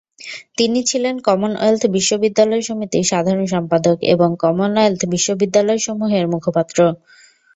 তিনি ছিলেন কমনওয়েলথ বিশ্ববিদ্যালয় সমিতির সাধারণ সম্পাদক এবং কমনওয়েলথ বিশ্ববিদ্যালয়সমূহের মুখপাত্র।